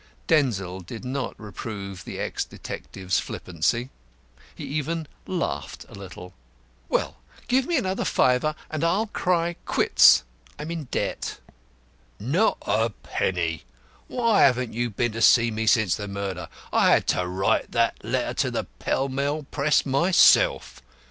Denzil did not reprove the ex detective's flippancy. He even laughed a little. "Well, give me another fiver, and I'll cry 'quits.' I'm in debt." "Not a penny. Why haven't you been to see me since the murder? I had to write that letter to the Pell Mell Press myself.